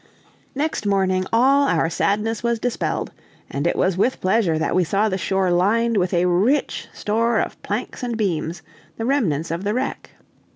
Next morning all our sadness was dispelled, and it was with pleasure that we saw the shore lined with a rich store of planks and beams, the remnants of the wreck.